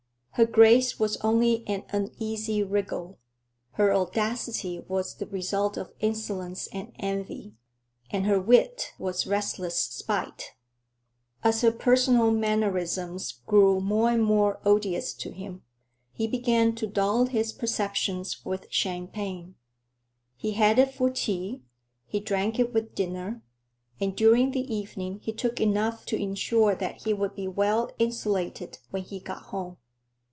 Her grace was only an uneasy wriggle, her audacity was the result of insolence and envy, and her wit was restless spite. As her personal mannerisms grew more and more odious to him, he began to dull his perceptions with champagne. He had it for tea, he drank it with dinner, and during the evening he took enough to insure that he would be well insulated when he got home.